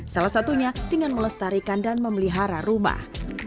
salah satunya dengan melestarikan dan memelihara rumah